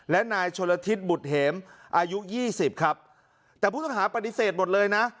และนายชนละทิศบุตรเหมอายุยี่สิบครับแต่ผู้ต้องหาปฏิเสธหมดเลยนะ